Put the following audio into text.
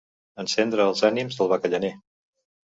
Encendre els ànims del bacallaner.